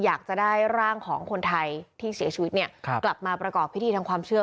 อยากจะได้ร่างของคนไทยที่เสียชีวิตเนี่ยกลับมาประกอบพิธีทางความเชื่อ